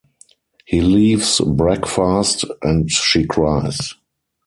He leaves breakfast, and she cries.